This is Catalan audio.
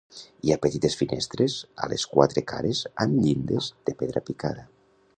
Hi ha petites finestres a les quatre cares amb llindes de pedra picada.